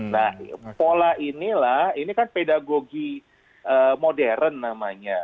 nah pola inilah ini kan pedagogi modern namanya